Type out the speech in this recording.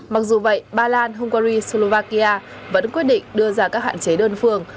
mặc dù vậy ba lan hungary slovakia vẫn quyết định đưa ra các hạn chế đơn phương